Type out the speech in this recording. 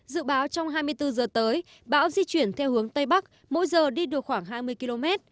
dự báo trong hai mươi bốn giờ tới bão di chuyển theo hướng tây bắc mỗi giờ đi được khoảng hai mươi km